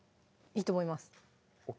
いいと思います